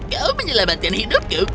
kau menyelamatkan hidupku